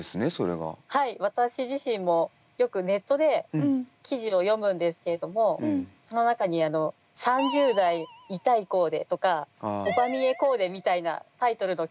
はい私自身もよくネットで記事を読むんですけれどもその中に「３０代痛いコーデ」とか「おば見えコーデ」みたいなタイトルの記事があって。